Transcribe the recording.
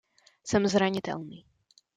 Jsem zranitelný.